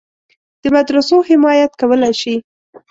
د مدرسو حمایت کولای شي.